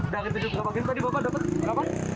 dari tujuh gerobak itu tadi bapak dapat berapa